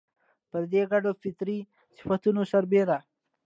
پر دې ګډو فطري صفتونو سربېره